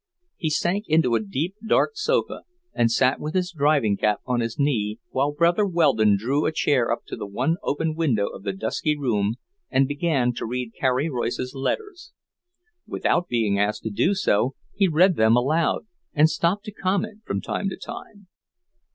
He sank into a deep, dark sofa, and sat with his driving cap on his knee while Brother Weldon drew a chair up to the one open window of the dusky room and began to read Carrie Royce's letters. Without being asked to do so, he read them aloud, and stopped to comment from time to time.